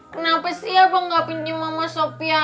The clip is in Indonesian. kenapa sih abang nggak pinjam mama sopi aja